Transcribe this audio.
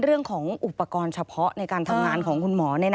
เรื่องของอุปกรณ์เฉพาะในการทำงานของคุณหมอ